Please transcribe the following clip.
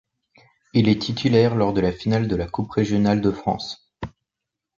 Il est titulaire lors de la finale de la coupe régionale de France.